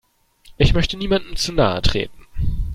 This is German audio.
Ich möchte niemandem zu nahe treten.